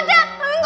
mana ada baiknya